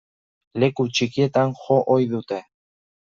Leku txikietan jo ohi dute.